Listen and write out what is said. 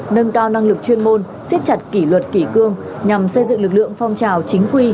nâng cao năng lực chuyên môn siết chặt kỷ luật kỷ cương nhằm xây dựng lực lượng phong trào chính quy